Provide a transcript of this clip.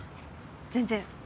全然。